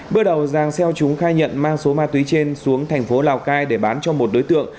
bước đầu giàng xeo chúng khai nhận mang số ma túy trên xuống thành phố lào cai để bán cho một đối tượng